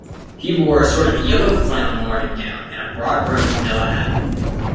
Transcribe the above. He wore a sort of yellow flannel morning-gown, and a broad-brimmed Manilla hat.